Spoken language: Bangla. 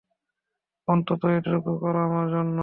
অন্তত, এটুকু করো আমার জন্য।